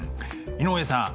井上さん